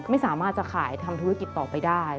ไม่สามารถจะขายทำธุรกิจต่อไปได้